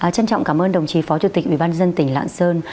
chân trọng cảm ơn đồng chí phó chủ tịch ubnd tỉnh lạng sơn